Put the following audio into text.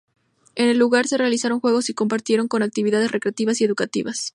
En el lugar se realizaron juegos y compartieron con actividades recreativas y educativas.